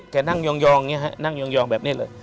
แน่นั่งยองเหมียะแบบนี้เลย